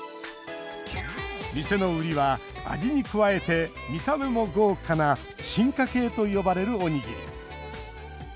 店の売りは味に加えて見た目も豪華な進化系と呼ばれる、おにぎり。